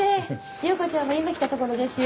耀子ちゃんも今来たところですよ。